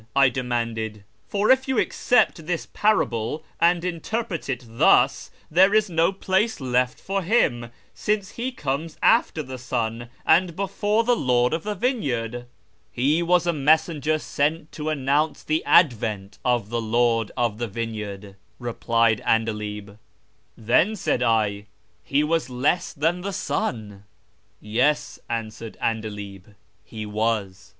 " I de manded, " for if you accept this parable and interpret it thus there is no place left for him, since he comes after the Son and before the Lord of the vineyard," " He was a messenger sent to announce the advent of the Lord of the vineyard," replied 'Andalib, " Then," said I, " he was less than the Son." " Yes," answered 'Andalib, " he was."